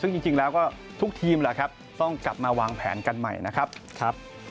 ซึ่งจริงแล้วก็ทุกทีมแหละครับต้องกลับมาวางแผนกันใหม่นะครับ